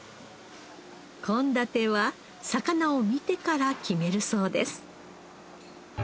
献立は魚を見てから決めるそうです